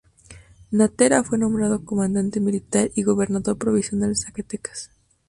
Natera fue nombrado comandante militar y gobernador provisional de Zacatecas.